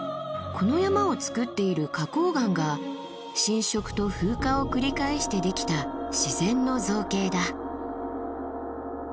この山をつくっている花崗岩が浸食と風化を繰り返してできた自然の造形だ。